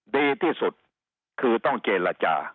ดีที่สุดคือต้องเจรจา